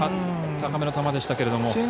高めの球でしたけども。